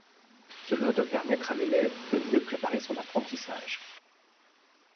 Cela doit permettre à l'élève de mieux préparer son atterrissage.